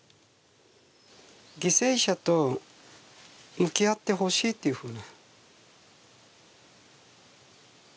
犠牲者と向き合ってほしいっていうふうな。